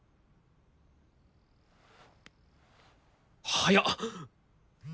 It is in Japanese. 早っ！